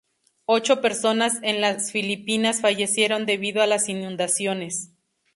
Ocho personas en las Filipinas fallecieron debido a las inundaciones.